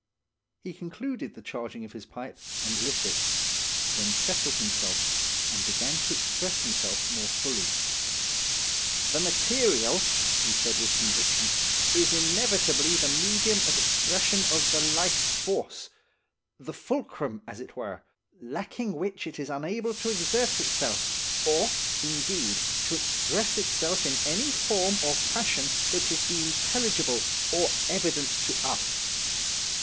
He concluded the charging of his pipe, and lit it; then settled himself, and began to express himself more fully. "The material," he said with conviction, "is inevitably the medium of expression of the life force–the fulcrum, as it were; lacking which it is unable to exert itself, or, indeed, to express itself in any form or fashion that would be intelligible or evident to us.